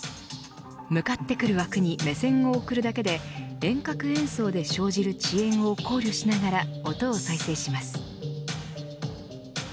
向かってくる枠に目線を送るだけで遠隔演奏で生じる遅延を考慮しながら音を再生します。